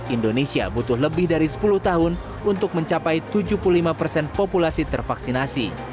indonesia butuh lebih dari sepuluh tahun untuk mencapai tujuh puluh lima persen populasi tervaksinasi